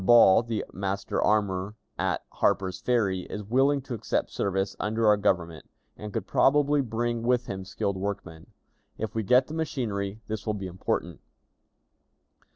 Ball, the master armorer at Harper's Ferry, is willing to accept service under our Government, and could probably bring with him skilled workmen. If we get the machinery, this will be important.